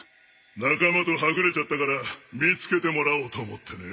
仲間とはぐれちゃったから見つけてもらおうと思ってね。